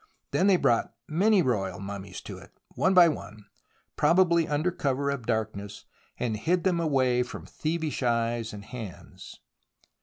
Then they brought many royal mummies to it, one by one, probably under cover of dark ness, and hid them away from thievish eyes and hands.